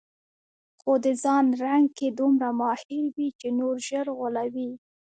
خو د ځان رنګ کې دومره ماهره وي چې نور ژر غولوي.